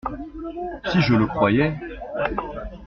Si je le croyais !